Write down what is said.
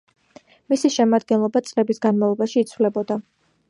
მისი შემადგენლობა წლების განმავლობაში იცვლებოდა.